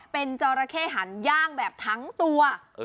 เป็นจราเข้หันย่างแบบทั้งตัว